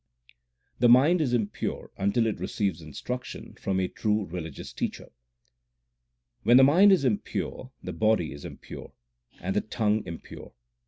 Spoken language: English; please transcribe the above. The mind is impure until it receives instruction from a true religious teacher : When the mind is impure the body is impure, and the tongue impure.